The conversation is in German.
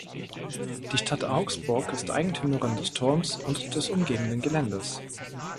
Die Stadt Augsburg ist Eigentümerin des Turms und des umgebenden Geländes.